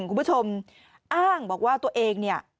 คุณผู้ชมอ้างบอกว่าตัวเองเนี่ย